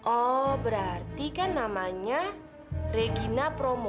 oh berarti kan namanya regina promo